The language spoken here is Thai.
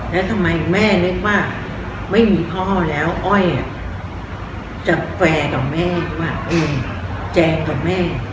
แล้วทำไมแม่นึกว่าไม่มีพ่อแล้วอ้อยจะแฟร์กับแม่ว่าแจงกับแม่